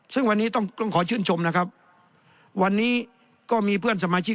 ซึ่งวันนี้ต้องต้องขอชื่นชมนะครับวันนี้ก็มีเพื่อนสมาชิก